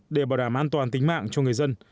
để bảo đảm an toàn tính mạng cho người dân